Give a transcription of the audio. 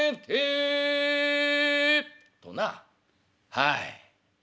「はい。